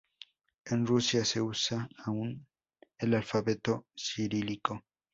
En Rusia, se usa aún el alfabeto cirílico.